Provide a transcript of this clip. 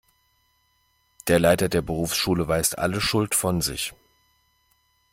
Der Leiter der Berufsschule weist alle Schuld von sich.